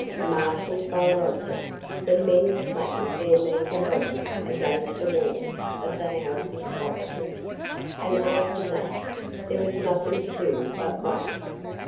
Marshalled by Roger, the men flattened their meagre bodies against the walls of the houses opposite, and after that there was nothing to do but wait.